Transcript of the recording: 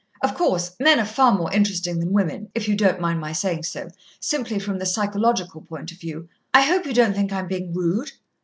"Of course, men are far more interesting than women, if you don't mind my saying so, simply from the psychological point of view. I hope you don't think I'm being rude?"